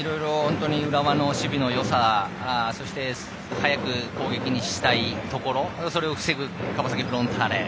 浦和の守備のよさ、速く攻撃にしたいところそれを防ぐ川崎フロンターレ。